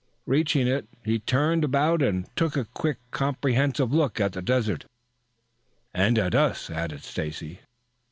Reaching it, he turned about and took a quick, comprehensive look at the desert." "And at us," added Stacy.